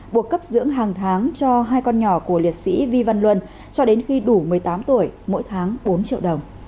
buộc cấp dưỡng hàng tháng cho hai con nhỏ của liệt sĩ vi văn luân cho đến khi đủ một mươi tám tuổi mỗi tháng bốn triệu đồng